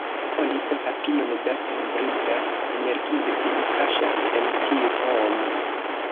Oni sentas kiom da senbrida energio sin kaŝas en tiu homo.